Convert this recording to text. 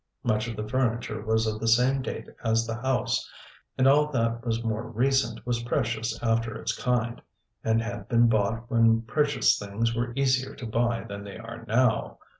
Much of the furniture was of the same date as the house, and all that was more recent was precious after its kind, and had been bought when precious things were easier to buy than they are now.